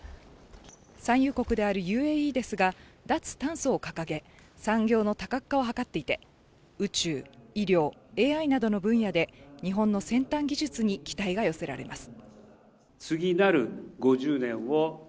産油国であるＵＡＥですが、脱炭素を掲げ、産業の多角化を図っていて宇宙、医療、ＡＩなどの分野で日本の先端技術に期待が寄せられます。